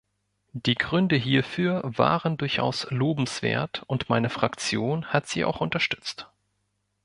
Die Gründe hierfür waren durchaus lobenswert, und meine Fraktion hat sie auch unterstützt.